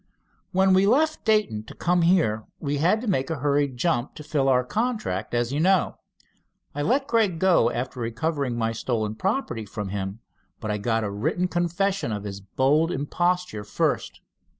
"When we left Dayton to come here, we had to make a hurried jump to fill our contract, as you know. I let Gregg go, after recovering my stolen property from him, but I got a written confession of his bold imposture, first.